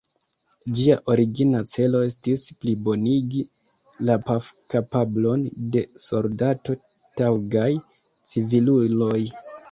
Ĝia origina celo estis plibonigi la paf-kapablon de soldato-taŭgaj civiluloj.